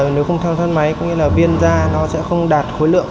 nếu không thao tác máy có nghĩa là viên ra nó sẽ không đạt khối lượng